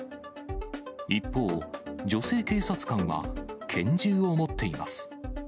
一方、女性警察官は拳銃を持っています。